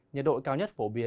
nhiệt độ cao nhất phổ biến